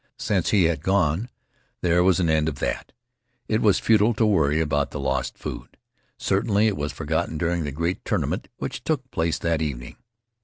Since he had gone, there was an end of that. It was futile to worry about the lost food. Certainly it was forgotten during the great tournament which took place that evening.